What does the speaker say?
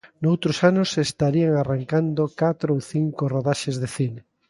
Noutros anos estarían arrancando catro ou cinco rodaxes de cine.